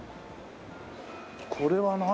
これは何？